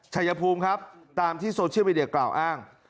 ชายภูมิครับตามที่โซเชียลมีเดียกล่าวอ้าง